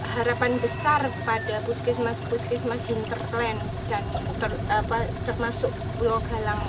harapan besar pada puskesmas puskesmas yang terklaim termasuk pulau galang